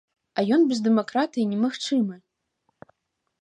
А ён без дэмакратыі немагчымы.